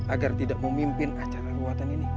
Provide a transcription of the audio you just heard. agar tidak memimpin acara ruatan ini